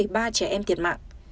và ba trẻ em tiệt mạng